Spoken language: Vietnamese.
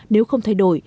nếu không thay đổi